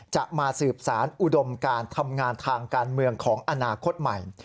จะมาสืบสารอุดมการทำงานทางการเมืองของอนาคตใหม่